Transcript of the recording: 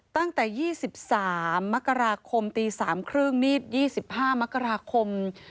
ตั้งแต่๒๓มตี๓๓๐นนี้๒๕ม